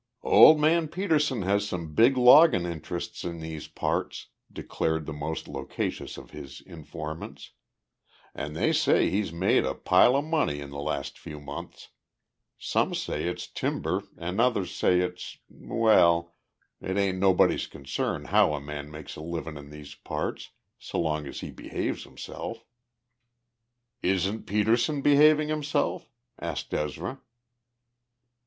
"Old Man Petersen has some big loggin' interests in these parts," declared the most loquacious of his informants, "an' they say he's made a pile o' money in the last few months. Some say it's timber an' others say it's well, it ain't nobody's concern how a man makes a livin' in these parts, s'long as he behaves himself." "Isn't Petersen behaving himself?" asked Ezra.